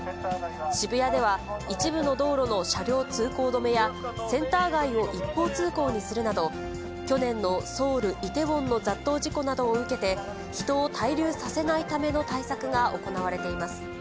渋谷では、一部の道路の車両通行止めや、センター街を一方通行にするなど、去年のソウル・イテウォンの雑踏事故などを受けて、人を滞留させないための対策が行われています。